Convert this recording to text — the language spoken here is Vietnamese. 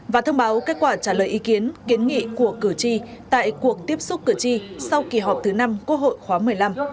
và thông báo kết quả trả lời ý kiến kiến nghị của cử tri tại cuộc tiếp xúc cử tri sau kỳ họp thứ năm quốc hội khóa một mươi năm